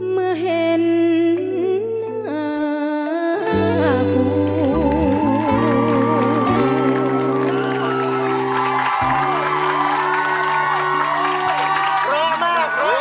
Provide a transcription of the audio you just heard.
เมื่อเห็นหน้าคู่